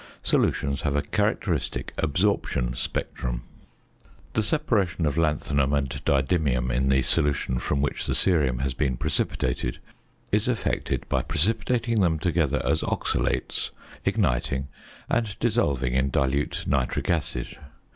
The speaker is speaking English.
Solutions have a characteristic absorption spectrum. The separation of lanthanum and didymium in the solution from which the cerium has been precipitated is effected by precipitating them together as oxalates, igniting, and dissolving in dilute nitric acid.